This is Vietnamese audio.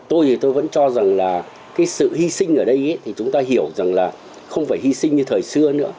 tôi thì tôi vẫn cho rằng là cái sự hy sinh ở đây thì chúng ta hiểu rằng là không phải hy sinh như thời xưa nữa